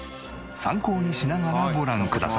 参考にしながらご覧ください。